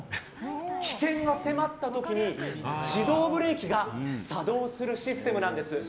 危険が迫った時に自動ブレーキが作動するシステムなんです。